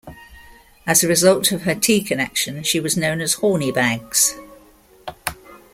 As a result of her tea connection, she was known as "Hornibags".